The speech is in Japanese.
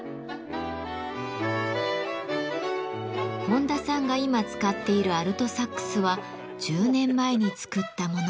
本多さんが今使っているアルトサックスは１０年前に作ったもの。